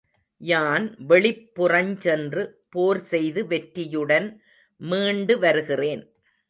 யான் வெளிப் புறஞ் சென்று போர்செய்து வெற்றியுடன் மீண்டு வருகிறேன்.